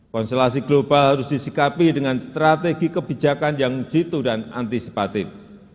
konstelasi global harus disikapi dengan strategi kebijakan yang jitu dan antisipatif